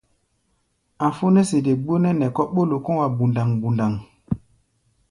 A̧ fó nɛ́ sede gbónɛ́ nɛ kɔ̧ ɓólo kɔ̧́-a̧ bundaŋ-bundaŋ.